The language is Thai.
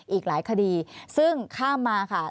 อีกหลายคดีซึ่งข้ามมาค่ะ